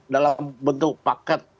dalam bentuk paket